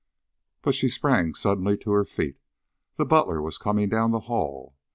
But she sprang suddenly to her feet. The butler was coming down the hall.